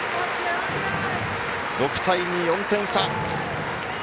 ６対２、４点差。